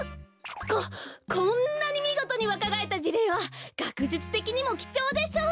ここんなにみごとにわかがえったじれいはがくじゅつてきにもきちょうでしょう。